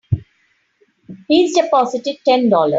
He's deposited Ten Dollars.